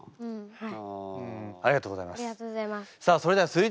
はい！